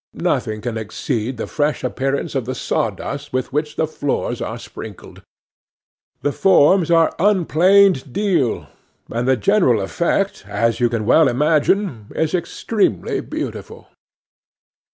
Nothing can exceed the fresh appearance of the saw dust with which the floors are sprinkled. The forms are of unplaned deal, and the general effect, as you can well imagine, is extremely beautiful.